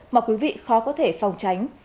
mà quý vị khó có thể phòng tránh